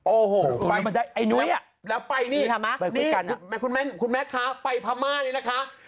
โอ้โหไปแล้วไปนี่นี่คุณแม่งคุณแม่ค้าไปพามานี่นะคะ